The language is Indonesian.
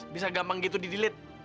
bisa gampang gitu di delite